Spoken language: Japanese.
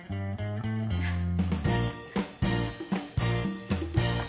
フッ。